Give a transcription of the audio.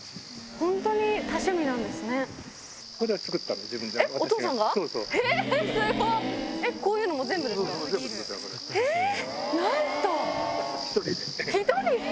本当に多趣味なんですね。